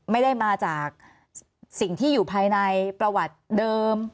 ไม่ได้มาจากสิ่งที่อยู่ภายในประวัติเดิม